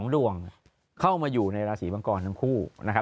ดวงเข้ามาอยู่ในราศีมังกรทั้งคู่นะครับ